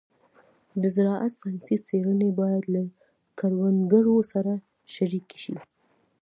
د زراعت ساینسي څېړنې باید له کروندګرو سره شریکې شي.